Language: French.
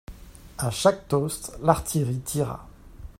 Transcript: À chaque toast, l'artillerie tira.